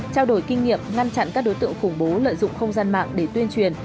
trao đổi kinh nghiệm ngăn chặn các đối tượng khủng bố lợi dụng không gian mạng để tuyên truyền